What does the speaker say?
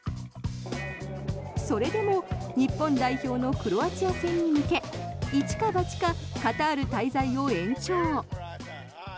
それでも日本代表のクロアチア戦に向け一か八か、カタール滞在を延長。